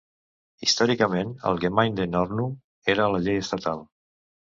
Històricament, el Gemeindeordnung era la llei estatal.